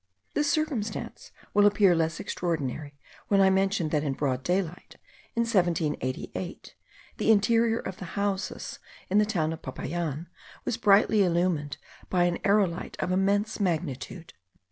This circumstance will appear less extraordinary, when I mention that in broad daylight, in 1788, the interior of the houses in the town of Popayan was brightly illumined by an aerolite of immense magnitude.